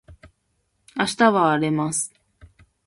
明日は荒れます